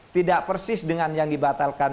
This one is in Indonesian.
tidak persis dengan yang dibatalkan